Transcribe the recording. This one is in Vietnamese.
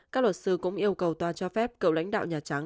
các luật sư cũng yêu cầu tòa cho phép cựu lãnh đạo nhà trắng